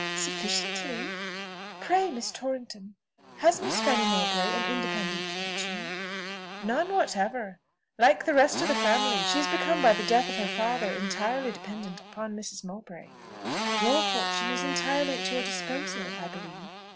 "Sufficiently. Pray, Miss Torrington, has Miss Fanny Mowbray an independent fortune?" "None whatever. Like the rest of the family, she is become by the death of her father entirely dependent upon Mrs. Mowbray." "Your fortune is entirely at your own disposal, I believe."